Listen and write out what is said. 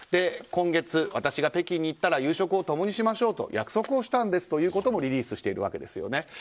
今月、私が北京に行ったら夕食を共にしましょうと約束をしたんですということもリリースしてるわけです。